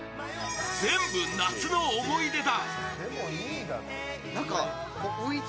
全部、夏の思い出だ。